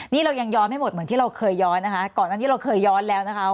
นี่เรายังย้อนไม่หมดเหมือนที่เราเคยย้อนนะคะก่อนอันนี้เราเคยย้อนแล้วนะคะ